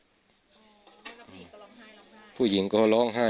อ๋อแล้วผู้หญิงก็ร้องไห้ร้องไห้